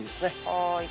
はい。